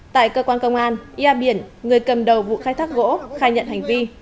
tại cơ quan công an ia biển người cầm đầu vụ khai thác gỗ khai nhận hành vi